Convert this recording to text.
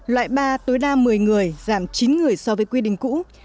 loại ba tối đa một mươi người giảm chín người so với quy định cũ